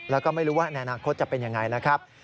แล้วก็ไม่รู้ว่าในอนาคตจะเป็นอย่างไรนะครับ